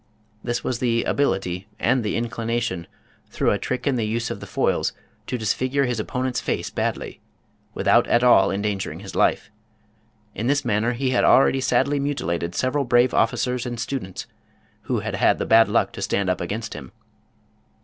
This was the ability, and the inclination, through a trick in the use of the foils, to disfigure his opponent's face badly, without at all endangering his life. In this manner he had already sadly mutilated several brave officers and students, who had had the bad luck to stand up against him.